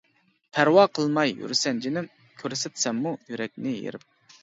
پەرۋا قىلماي يۈرىسەن جېنىم، كۆرسەتسەممۇ يۈرەكنى يېرىپ.